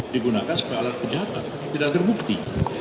digunakan sebagai alat kejahatan tidak terbukti